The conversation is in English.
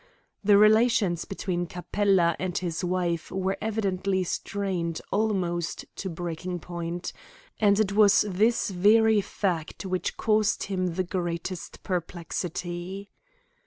The relations between Capella and his wife were evidently strained almost to breaking point, and it was this very fact which caused him the greatest perplexity.